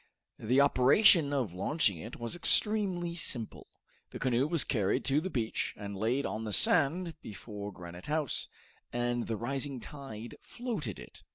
The operation of launching it was extremely simple. The canoe was carried to the beach and laid on the sand before Granite House, and the rising tide floated it.